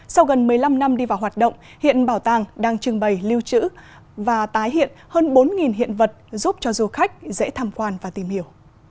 sau gần một mươi năm năm đi vào hoạt động hiện bảo tàng đang trưng bày lưu trữ và tái hiện hơn bốn hiện vật giúp cho du khách dễ tham quan và tìm hiểu